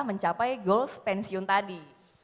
mencapai goals pensiun tadi